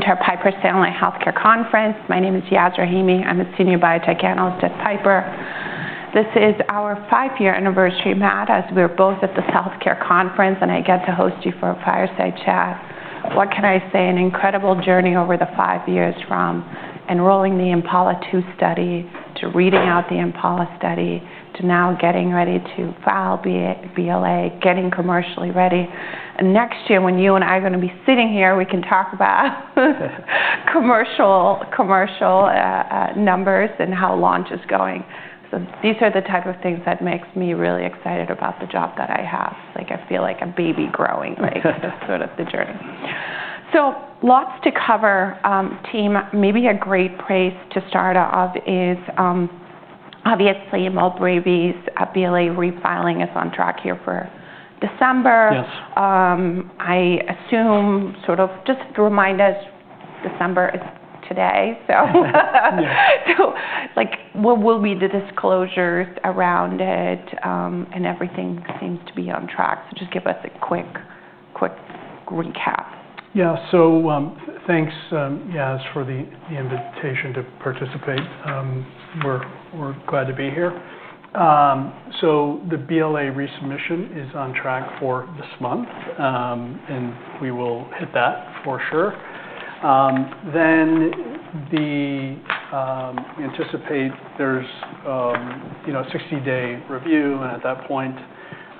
Piper Sandler Healthcare Conference. My name is Yasmeen Rahimi. I'm a Senior Biotech Analyst at Piper. This is our five-year anniversary, Matt, as we're both at this healthcare conference, and I get to host you for a fireside chat. What can I say? An incredible journey over the five years, from enrolling the IMPALA-2 study, to reading out the IMPALA study, to now getting ready to file BLA, getting commercially ready. Next year, when you and I are going to be sitting here, we can talk about commercial numbers and how launch is going. So these are the type of things that makes me really excited about the job that I have. Like, I feel like a baby growing, sort of the journey. So lots to cover. Matt, maybe a great place to start off is, obviously, MOLBREEVI's BLA refiling is on track here for December. Yes. I assume, sort of just to remind us, December is today. So what will be the disclosures around it? And everything seems to be on track. So just give us a quick recap. Yeah, so thanks, Yaz, for the invitation to participate. We're glad to be here. So the BLA resubmission is on track for this month, and we will hit that for sure. Then we anticipate there's a 60-day review. And at that point,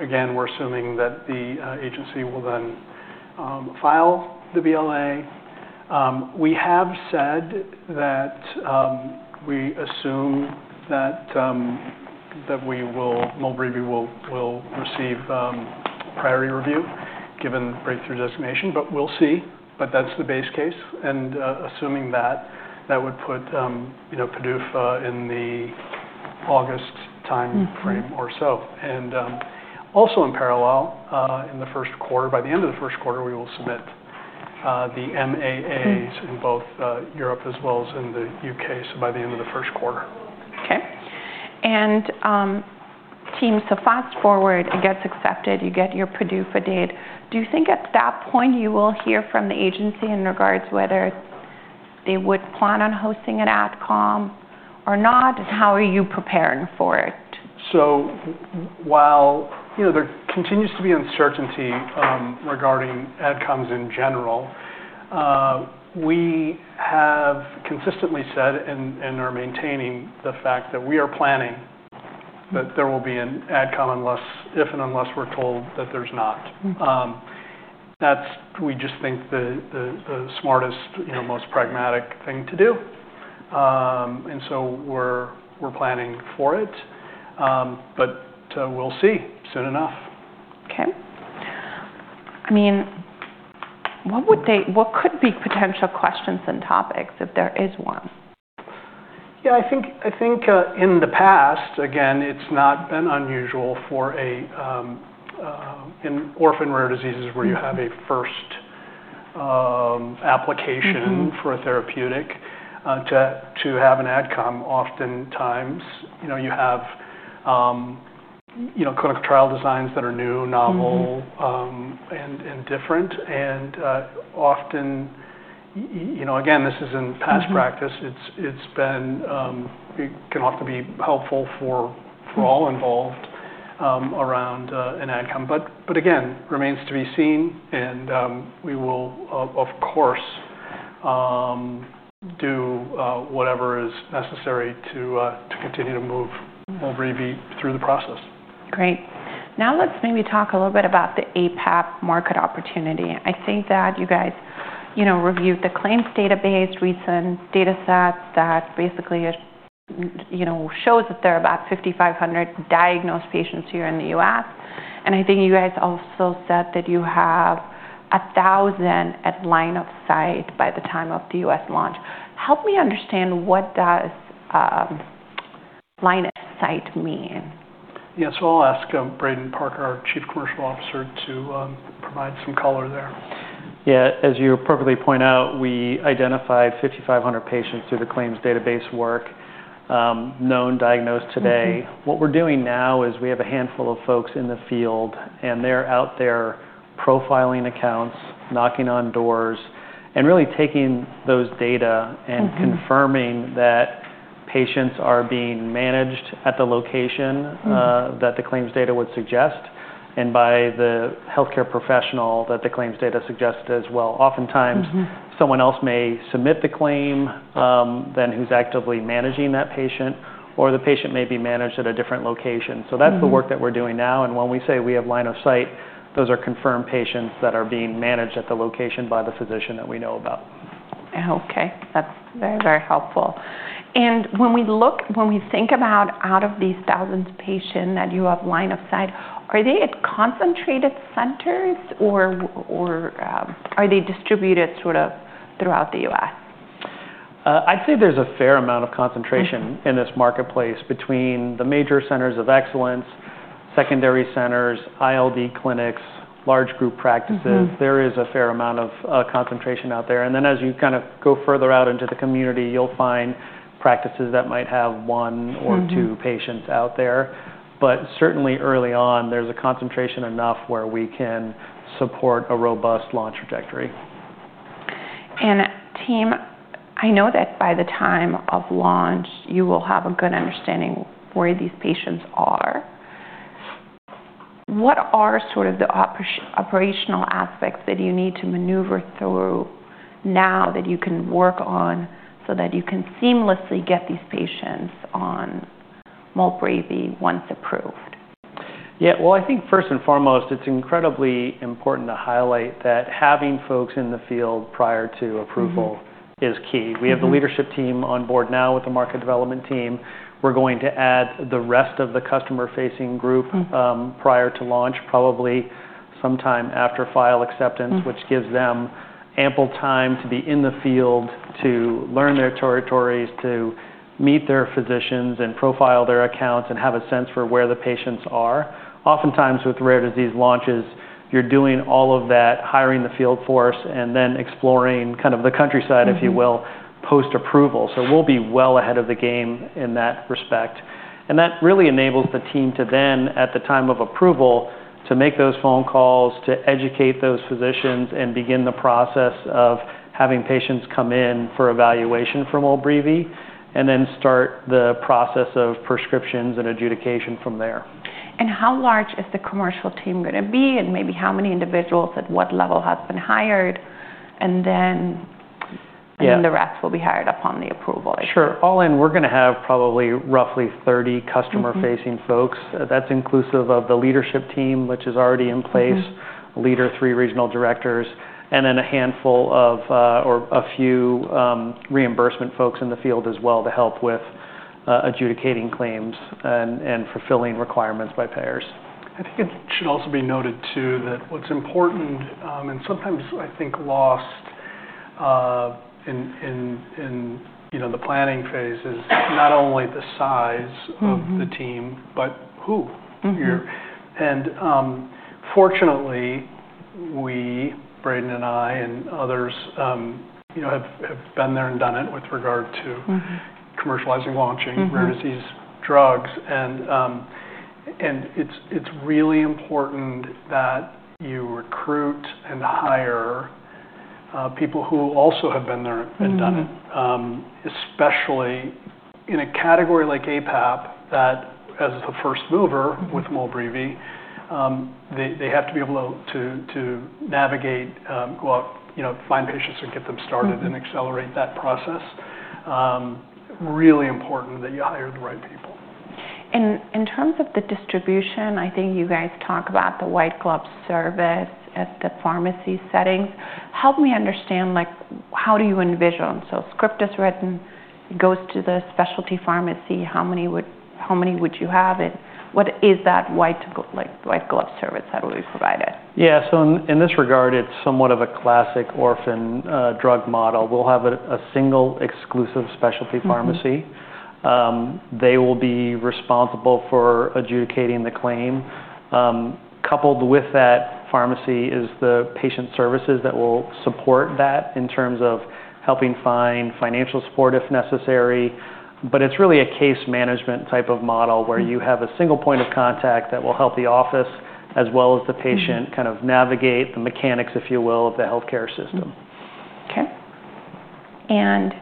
again, we're assuming that the agency will then file the BLA. We have said that we assume that we will, MOLBREEVI will receive priority review, given breakthrough designation. But we'll see. But that's the base case. And assuming that, that would put PDUFA in the August time frame or so. And also, in parallel, in the first quarter, by the end of the first quarter, we will submit the MAAs in both Europe, as well as in the U.K. So by the end of the first quarter. Okay. And team, so fast forward, it gets accepted. You get your PDUFA date. Do you think at that point you will hear from the agency in regards to whether they would plan on hosting an ADCOM or not? And how are you preparing for it? So while there continues to be uncertainty regarding ADCOMs in general, we have consistently said and are maintaining the fact that we are planning that there will be an ADCOM if and unless we're told that there's not. That's we just think the smartest, most pragmatic thing to do. And so we're planning for it. But we'll see soon enough. Okay. I mean, what could be potential questions and topics, if there is one? Yeah, I think in the past, again, it's not been unusual for an orphan rare diseases where you have a first application for a therapeutic to have an ADCOM. Oftentimes, you have clinical trial designs that are new, novel, and different. And often, again, this is in past practice. It can often be helpful for all involved around an ADCOM. But again, remains to be seen. And we will, of course, do whatever is necessary to continue to move MOLBREEVI through the process. Great. Now let's maybe talk a little bit about the aPAP market opportunity. I think that you guys reviewed the claims database, recent data sets that basically show that there are about 5,500 diagnosed patients here in the U.S. And I think you guys also said that you have 1,000 at line of sight by the time of the U.S. launch. Help me understand what does line of sight mean? Yeah, so I'll ask Braden Parker, our Chief Commercial Officer, to provide some color there. Yeah, as you perfectly point out, we identified 5,500 patients through the claims database work, known diagnosed today. What we're doing now is we have a handful of folks in the field, and they're out there profiling accounts, knocking on doors, and really taking those data and confirming that patients are being managed at the location that the claims data would suggest, and by the healthcare professional that the claims data suggests as well. Oftentimes, someone else may submit the claim than who's actively managing that patient. Or the patient may be managed at a different location, so that's the work that we're doing now, and when we say we have line of sight, those are confirmed patients that are being managed at the location by the physician that we know about. Okay. That's very, very helpful. And when we look, when we think about out of these thousands of patients that you have line of sight, are they at concentrated centers, or are they distributed sort of throughout the U.S.? I'd say there's a fair amount of concentration in this marketplace between the major centers of excellence, secondary centers, ILD clinics, large group practices. There is a fair amount of concentration out there. And then as you kind of go further out into the community, you'll find practices that might have one or two patients out there. But certainly early on, there's a concentration enough where we can support a robust launch trajectory. Team, I know that by the time of launch, you will have a good understanding where these patients are. What are sort of the operational aspects that you need to manoeuver through now that you can work on so that you can seamlessly get these patients on MOLBREEVI once approved? Yeah, well, I think first and foremost, it's incredibly important to highlight that having folks in the field prior to approval is key. We have the leadership team on board now with the market development team. We're going to add the rest of the customer-facing group prior to launch, probably sometime after file acceptance, which gives them ample time to be in the field, to learn their territories, to meet their physicians, and profile their accounts, and have a sense for where the patients are. Oftentimes, with rare disease launches, you're doing all of that, hiring the field force, and then exploring kind of the countryside, if you will, post-approval. So we'll be well ahead of the game in that respect. And that really enables the team to then, at the time of approval, to make those phone calls, to educate those physicians, and begin the process of having patients come in for evaluation from MOLBREEVI, and then start the process of prescriptions and adjudication from there. And how large is the commercial team going to be, and maybe how many individuals at what level have been hired? And then the rest will be hired upon the approval. Sure. All in, we're going to have probably roughly 30 customer-facing folks. That's inclusive of the leadership team, which is already in place, three regional directors, and then a handful of or a few reimbursement folks in the field as well to help with adjudicating claims and fulfilling requirements by payers. I think it should also be noted, too, that what's important, and sometimes I think lost in the planning phase, is not only the size of the team, but who. And fortunately, we, Braden and I and others, have been there and done it with regard to commercializing launching rare disease drugs. And it's really important that you recruit and hire people who also have been there and done it, especially in a category like aPAP that, as the first mover with MOLBREEVI, they have to be able to navigate, go out, find patients, and get them started and accelerate that process. Really important that you hire the right people. In terms of the distribution, I think you guys talk about the white glove service at the pharmacy settings. Help me understand, how do you envision? So script is written, it goes to the specialty pharmacy. How many would you have? And what is that white glove service that will be provided? Yeah, so in this regard, it's somewhat of a classic orphan drug model. We'll have a single exclusive specialty pharmacy. They will be responsible for adjudicating the claim. Coupled with that pharmacy is the patient services that will support that in terms of helping find financial support if necessary. But it's really a case management type of model where you have a single point of contact that will help the office, as well as the patient, kind of navigate the mechanics, if you will, of the healthcare system. Okay. And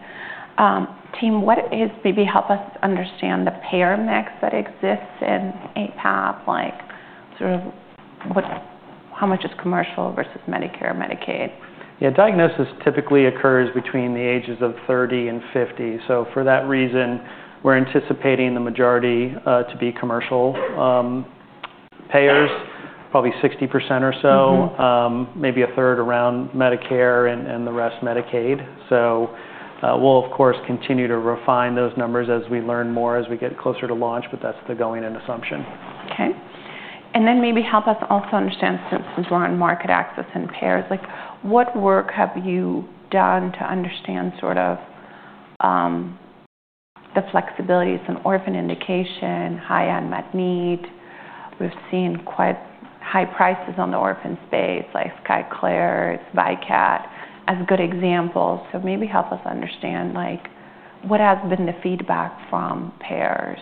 team, what may help us understand the payer mix that exists in aPAP? Like, sort of how much is commercial versus Medicare and Medicaid? Yeah, diagnosis typically occurs between the ages of 30 and 50. So for that reason, we're anticipating the majority to be commercial payers, probably 60% or so, maybe 1/3 around Medicare and the rest Medicaid. So we'll, of course, continue to refine those numbers as we learn more as we get closer to launch, but that's the going in assumption. Okay. And then maybe help us also understand, since we're on market access and payers, what work have you done to understand sort of the flexibilities in orphan indication, high-end med need? We've seen quite high prices on the orphan space, like Skyclarys, ViCAT, as good examples. So maybe help us understand, what has been the feedback from payers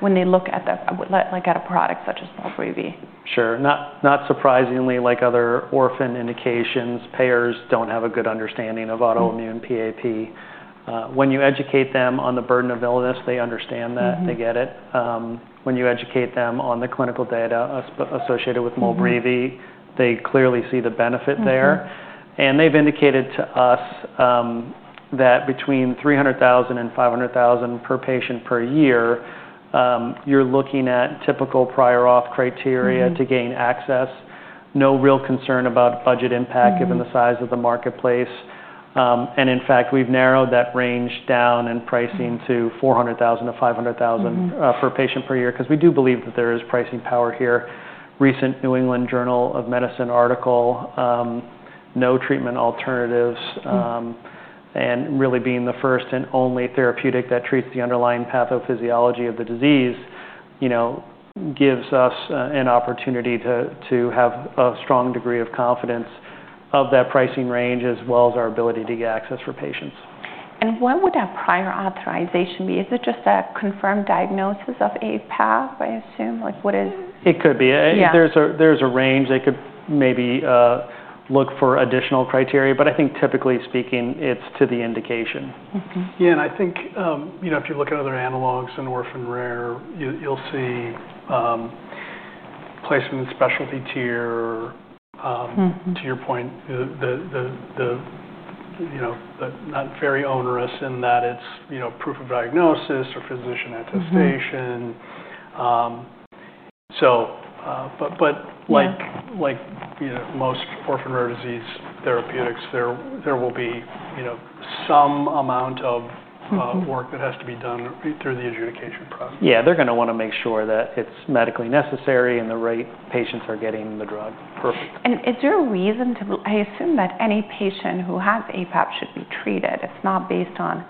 when they look at a product such as MOLBREEVI? Sure. Not surprisingly, like other orphan indications, payers don't have a good understanding of autoimmune PAP. When you educate them on the burden of illness, they understand that. They get it. When you educate them on the clinical data associated with MOLBREEVI, they clearly see the benefit there. And they've indicated to us that between $300,000 and $500,000 per patient per year, you're looking at typical prior auth criteria to gain access. No real concern about budget impact given the size of the marketplace. And in fact, we've narrowed that range down in pricing to $400,000-$500,000 per patient per year because we do believe that there is pricing power here. Recent New England Journal of Medicine article, no treatment alternatives, and really being the first and only therapeutic that treats the underlying pathophysiology of the disease gives us an opportunity to have a strong degree of confidence of that pricing range, as well as our ability to get access for patients. And what would that prior authorization be? Is it just a confirmed diagnosis of aPAP, I assume? Like, what is? It could be. There's a range they could maybe look for additional criteria. But I think typically speaking, it's to the indication. Yeah, and I think if you look at other analogs in orphan rare, you'll see placement in specialty tier. To your point, it's not very onerous in that it's proof of diagnosis or physician attestation. But like most orphan rare disease therapeutics, there will be some amount of work that has to be done through the adjudication process. Yeah, they're going to want to make sure that it's medically necessary and the right patients are getting the drug perfect. Is there a reason to assume that any patient who has aPAP should be treated? It's not based on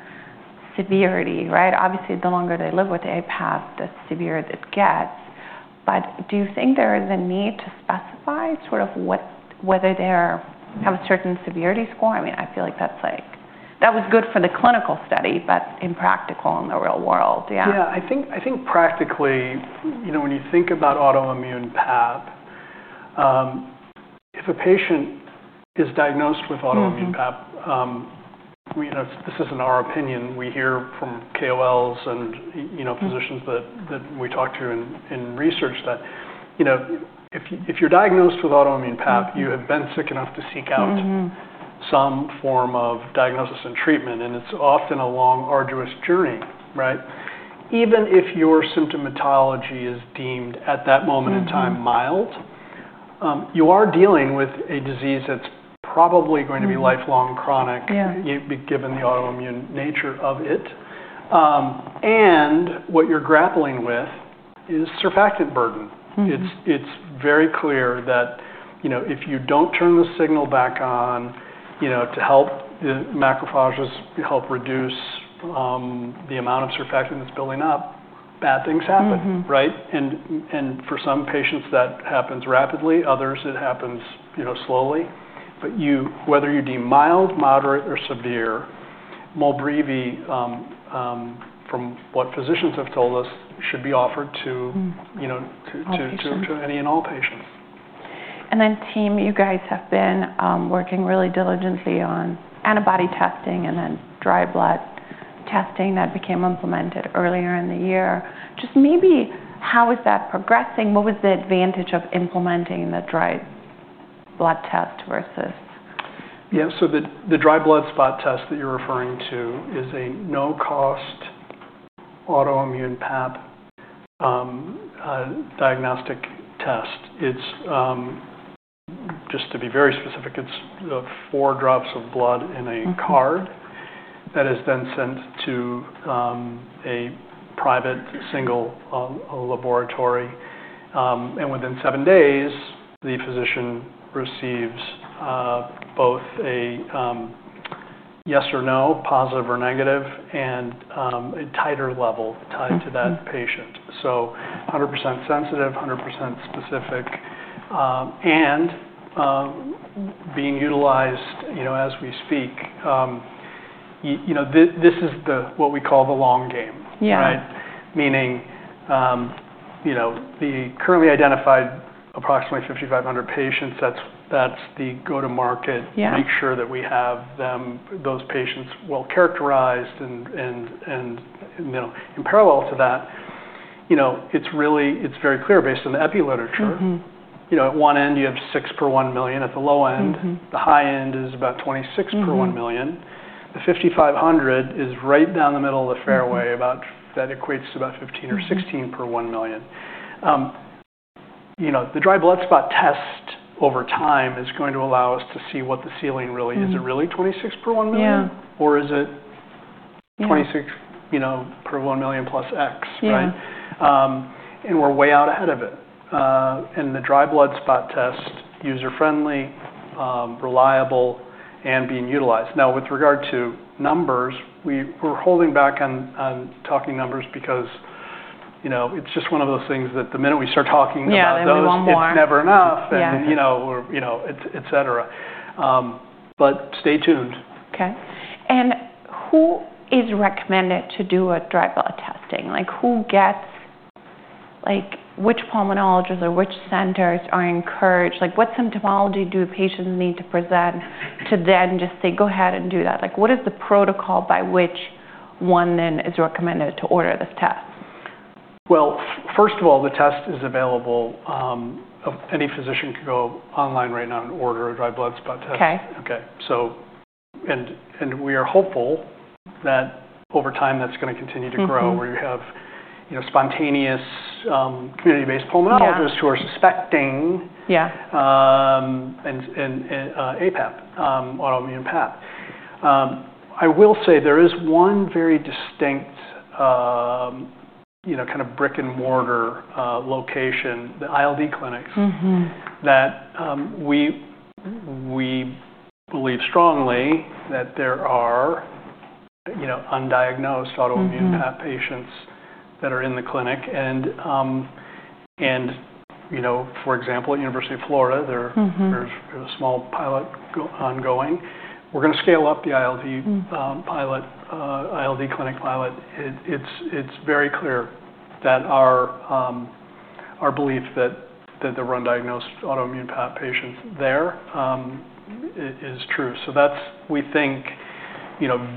severity, right? Obviously, the longer they live with aPAP, the severer it gets. But do you think there is a need to specify sort of whether they have a certain severity score? I mean, I feel like that was good for the clinical study, but impractical in the real world. Yeah. Yeah, I think practically, when you think about autoimmune PAP, if a patient is diagnosed with autoimmune PAP, this isn't our opinion. We hear from KOLs and physicians that we talk to in research that if you're diagnosed with autoimmune PAP, you have been sick enough to seek out some form of diagnosis and treatment. And it's often a long, arduous journey, right? Even if your symptomatology is deemed at that moment in time mild, you are dealing with a disease that's probably going to be lifelong chronic given the autoimmune nature of it. And what you're grappling with is surfactant burden. It's very clear that if you don't turn the signal back on to help the macrophages help reduce the amount of surfactant that's building up, bad things happen, right? And for some patients, that happens rapidly. Others, it happens slowly. But whether you deem mild, moderate, or severe, MOLBREEVI, from what physicians have told us, should be offered to any and all patients. And then, team, you guys have been working really diligently on antibody testing and then dried blood spot testing that became implemented earlier in the year. Just maybe how is that progressing? What was the advantage of implementing the dried blood spot test versus? Yeah, so the dry blood spot test that you're referring to is a no-cost autoimmune PAP diagnostic test. Just to be very specific, it's 4 drops of blood on a card that is then sent to a private single laboratory. And within seven days, the physician receives both a yes or no, positive or negative, and a titer level tied to that patient. So 100% sensitive, 100% specific, and being utilized as we speak. This is what we call the long game, right? Meaning the currently identified approximately 5,500 patients, that's the go-to-market to make sure that we have those patients well characterized. And in parallel to that, it's very clear based on the epi literature. At one end, you have 6 per 1 million. At the low end, the high end is about 26 per 1 million. The 5,500 is right down the middle of the fairway. That equates to about 15 or 16 per 1 million. The dry blood spot test over time is going to allow us to see what the ceiling really is. Is it really 26 per 1 million, or is it 26 per 1 million plus X, right? And we're way out ahead of it. And the dry blood spot test is user-friendly, reliable, and being utilized. Now, with regard to numbers, we're holding back on talking numbers because it's just one of those things that the minute we start talking about those, it's never enough, and etc. But stay tuned. Okay. And who is recommended to do a dry blood spot testing? Which pulmonologists or which centers are encouraged? What symptomology do patients need to present to then just say, "Go ahead and do that"? What is the protocol by which one then is recommended to order this test? First of all, the test is available. Any physician can go online right now and order a dry blood spot test. Okay. We are hopeful that over time, that's going to continue to grow where you have spontaneous community-based pulmonologists who are suspecting aPAP, autoimmune PAP. I will say there is one very distinct kind of brick-and-mortar location, the ILD clinics, that we believe strongly that there are undiagnosed autoimmune PAP patients that are in the clinic. For example, at University of Florida, there's a small pilot ongoing. We're going to scale up the ILD clinic pilot. It's very clear that our belief that there were undiagnosed autoimmune PAP patients there is true. That's, we think,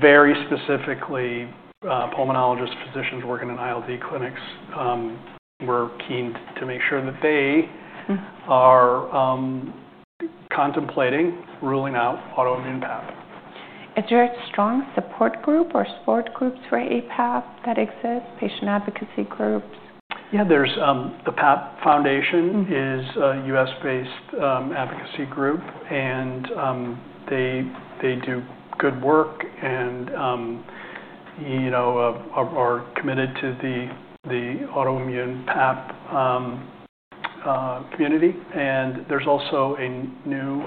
very specifically pulmonologists, physicians working in ILD clinics. We're keen to make sure that they are contemplating ruling out autoimmune PAP. Is there a strong support group or support groups for aPAP that exist? Patient advocacy groups? Yeah, the PAP Foundation is a U.S.-based advocacy group, and they do good work and are committed to the autoimmune PAP community, and there's also a new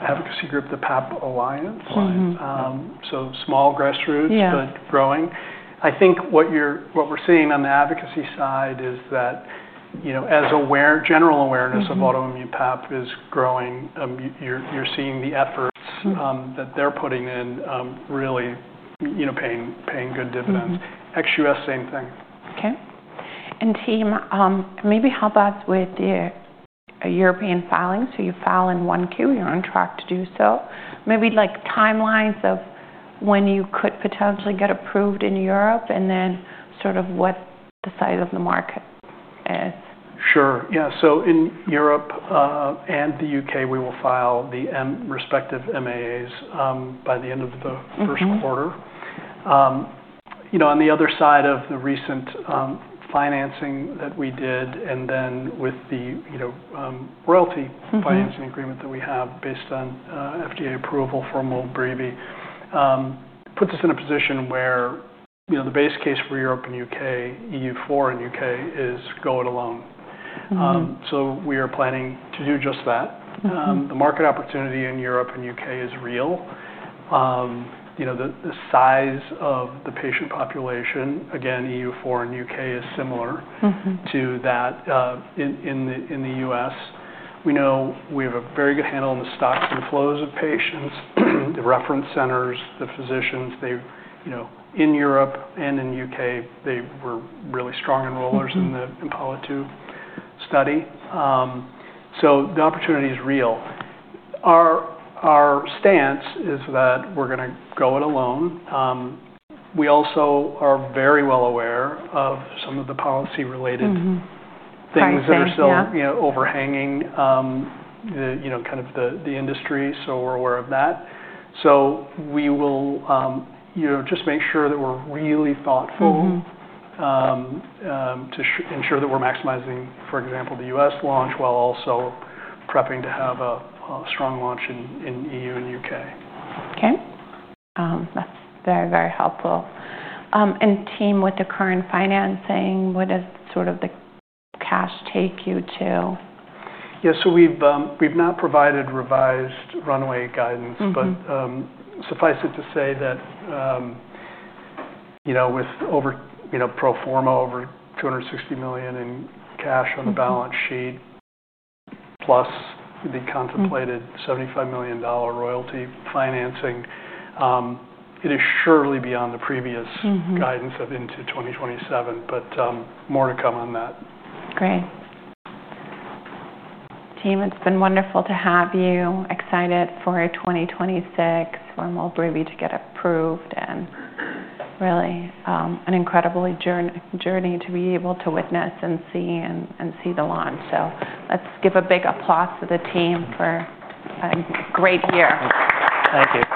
advocacy group, the PAP Alliance, so small grassroots, but growing. I think what we're seeing on the advocacy side is that as general awareness of autoimmune PAP is growing, you're seeing the efforts that they're putting in really paying good dividends. ex-U.S., same thing. Okay. And team, maybe help us with the European filings. So you filed in one queue. You're on track to do so. Maybe timelines of when you could potentially get approved in Europe and then sort of what the size of the market is. Sure. Yeah. So in Europe and the U.K., we will file the respective MAAs by the end of the first quarter. On the other side of the recent financing that we did and then with the royalty financing agreement that we have based on FDA approval for MOLBREEVI, it puts us in a position where the base case for Europe and U.K., EU4 and U.K., is go it alone. So we are planning to do just that. The market opportunity in Europe and U.K. is real. The size of the patient population, again, EU4 and U.K., is similar to that in the U.S. We know we have a very good handle on the stock and flows of patients, the reference centers, the physicians. In Europe and in U.K., they were really strong enrollers in the IMPALA-2 study. So the opportunity is real. Our stance is that we're going to go it alone. We also are very well aware of some of the policy-related things that are still overhanging kind of the industry. So we're aware of that. So we will just make sure that we're really thoughtful to ensure that we're maximizing, for example, the U.S. launch while also prepping to have a strong launch in E.U. and U.K. Okay. That's very, very helpful, and team, with the current financing, what does sort of the cash take you to? Yeah. So we've not provided revised runway guidance, but suffice it to say that with pro forma over $260 million in cash on the balance sheet plus the contemplated $75 million royalty financing, it is surely beyond the previous guidance of into 2027, but more to come on that. Great. Team, it's been wonderful to have you excited for a 2026 for MOLBREEVI to get approved and really an incredible journey to be able to witness and see the launch. So let's give a big applause to the team for a great year. Thank you.